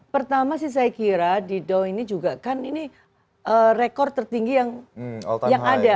pertama sih saya kira di down ini juga kan ini rekor tertinggi yang ada